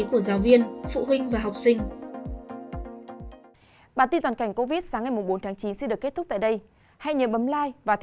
của giáo viên phụ huynh và học sinh